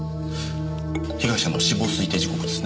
被害者の死亡推定時刻ですね。